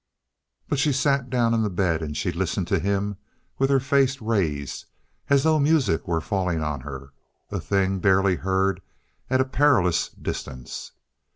But she sat down on the bed, and she listened to him with her face raised, as though music were falling on her, a thing barely heard at a perilous distance.